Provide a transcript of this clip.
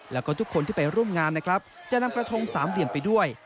แล้วก็ทุกคนที่ไปร่วมงานนะครับจะนำกระทงสามเหลี่ยมไปด้วย